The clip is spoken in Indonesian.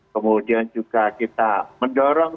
kemudian juga kita mendorong